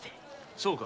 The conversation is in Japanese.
そうか。